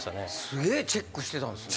すげえチェックしてたんすね。